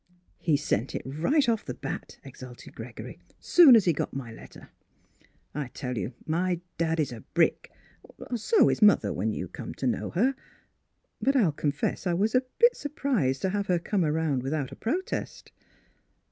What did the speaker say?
"" He sent it right off the bat," exulted Gregory, " soon as he got my letter. I tell you, my dad is a brick; so is mother, when you come to know her. But I'll confess I was a bit surprised to have her come around without a protest."